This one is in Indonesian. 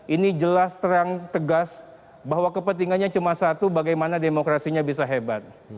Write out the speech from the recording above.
ini jelas terang tegas bahwa kepentingannya cuma satu bagaimana demokrasinya bisa hebat